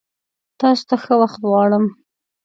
تاسو ته ښه وخت غوړم!